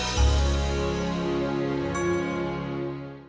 jangan coba coba ada ngambil wianti gua